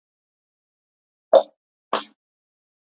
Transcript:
კოლუმბამდელ პერიოდში, ეს ტერიტორია მაიას ხალხით იყო დასახლებული.